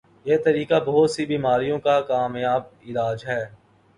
یہ طریقہ بہت سی بیماریوں کا کامیابعلاج ہے